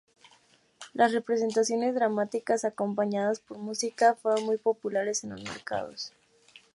Las representaciones dramáticas, acompañadas por música, fueron muy populares en los mercados.